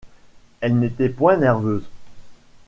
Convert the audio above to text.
Elle n’était point nerveuse.